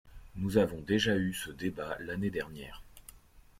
Nous avons déjà eu ce débat l’année dernière.